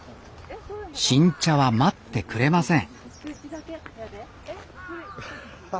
新茶は待ってくれません